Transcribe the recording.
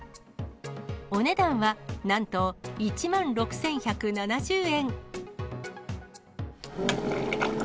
お値段はなんと１万６１７０円。